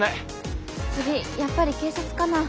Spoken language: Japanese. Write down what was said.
次やっぱり警察かな？